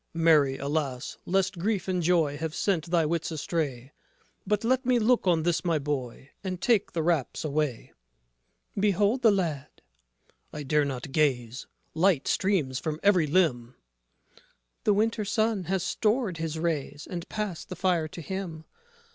JOSEPH Mary, alas, lest grief and joy Have sent thy wits astray; But let me look on this my boy, And take the wraps away. MARY Behold the lad. JOSEPH I dare not gaze: Light streams from every limb. MARY The winter sun has stored his rays, And passed the fire to him.